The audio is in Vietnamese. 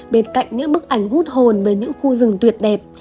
bên cạnh những bức ảnh hút hồn về những khu rừng tuyệt đẹp